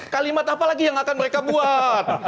kalimat apa lagi yang akan mereka buat